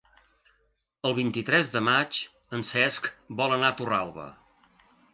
El vint-i-tres de maig en Cesc vol anar a Torralba.